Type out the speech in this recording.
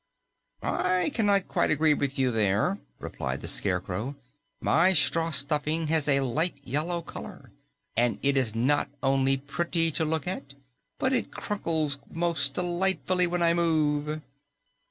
"I cannot quite agree with you there," replied the Scarecrow. "My straw stuffing has a light yellow color, and it is not only pretty to look at, but it crunkles most delightfully when I move."